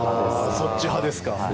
そっち派ですか。